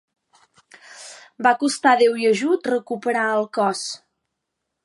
Va costar déu i ajut recuperar el cos.